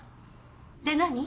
で何？